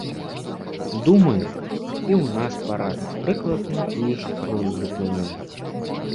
Думаю, і ў нас парад прыкладна тую ж ролю выконвае.